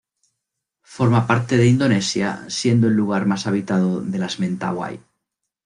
Forma parte de Indonesia, siendo el lugar más habitado de las Mentawai.